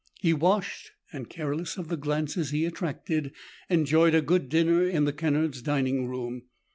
He washed and, careless of the glances he attracted, enjoyed a good dinner in the Kennard's dining room.